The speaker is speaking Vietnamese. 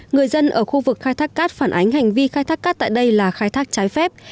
người dân ở khu vực khai thác cát phản ánh hành vi khai thác cát tại đây là khai thác trái phép